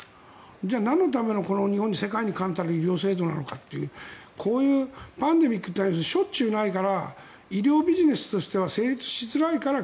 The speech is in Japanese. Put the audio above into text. じゃあ、なんのための日本の世界に冠たる医療制度なのかってこういうパンデミックってしょっちゅうないから医療ビジネスとしては成立しづらいから